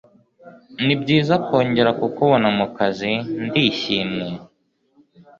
Nibyiza kongera kukubona mu kazi ndishyimwe.